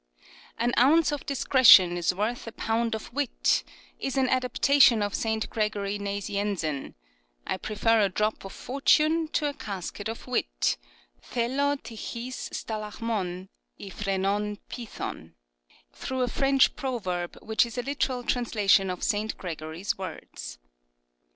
" An ounce of discretion is worth a pound of wit" is an adaptation of St. Gregory Nazianzen, " I prefer a drop of fortune to a casket of wit " (0IXw rvxns oraXay/woV rj ^pivwv irlOov), through a French proverb which is a literal translation of St. Gregory's words.